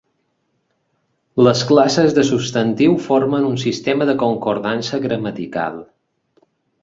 Les classes de substantiu formen un sistema de concordança gramatical.